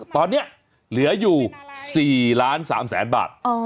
ตอนนี้เหลืออยู่๔ล้าน๓แสนบาท